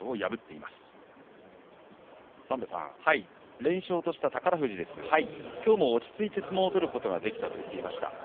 連勝とした宝富士ですが今日も落ち着いて相撲を取ることができたと言ってました。